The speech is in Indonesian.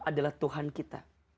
adalah tuhan kita